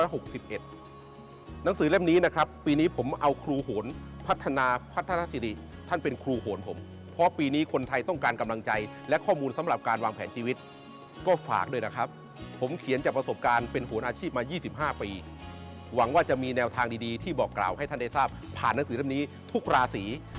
หนังสือเล่มนี้นะครับปีนี้ผมเอาครูโหนพัฒนาพัฒนสิริท่านเป็นครูโหนผมเพราะปีนี้คนไทยต้องการกำลังใจและข้อมูลสำหรับการวางแผนชีวิตก็ฝากด้วยนะครับผมเขียนจากประสบการณ์เป็นโหนอาชีพมา๒๕ปีหวังว่าจะมีแนวทางดีที่บอกกล่าวให้ท่านได้ทราบผ่านหนังสือเล่มนี้ทุกราศี